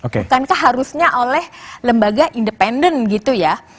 bukankah harusnya oleh lembaga independen gitu ya